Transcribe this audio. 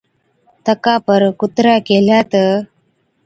تڪا پر ڪُترَي ڪيهلَي تہ،